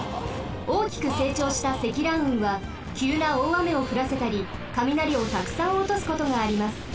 おおきくせいちょうした積乱雲はきゅうなおおあめをふらせたりかみなりをたくさんおとすことがあります。